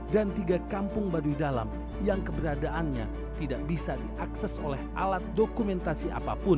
dan tiga kampung baduy dalam yang keberadaannya tidak bisa diakses oleh alat dokumentasi apapun